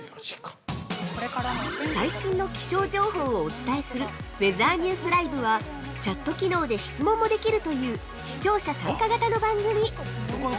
◆最新の気象情報をお伝えする「ウェザーニュースＬｉＶＥ」はチャット機能で質問もできるという、視聴者参加型の番組。